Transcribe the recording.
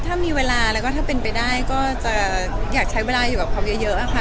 ถ้ามีเวลาแล้วก็ถ้าเป็นไปได้ก็จะอยากใช้เวลาอยู่กับเขาเยอะค่ะ